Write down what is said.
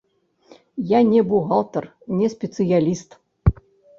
Я не бухгалтар, не спецыяліст.